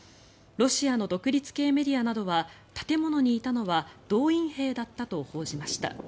ロシアの独立系メディアなどは建物にいたのは動員兵だったと報じました。